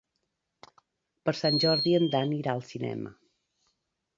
Per Sant Jordi en Dan irà al cinema.